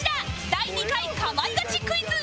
「第２回かまいガチクイズ」